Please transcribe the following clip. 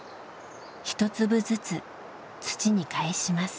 １粒ずつ土にかえします。